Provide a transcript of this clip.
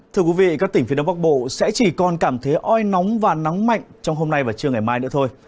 thưa quý vị các tỉnh phía đông bắc bộ sẽ chỉ còn cảm thấy oi nóng và nắng mạnh trong hôm nay và trưa ngày mai nữa thôi